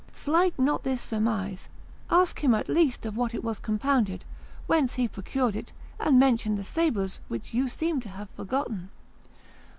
Slight not this surmise; ask him at least of what it was compounded, whence he procured it, and mention the sabres which you seem to have forgotten."